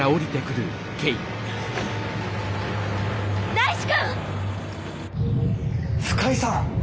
大志くん！深井さん！